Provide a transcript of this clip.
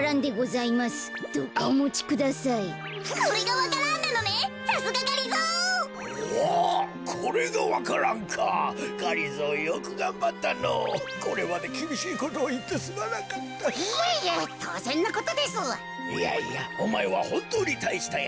いやいやおまえはほんとうにたいしたやつじゃ。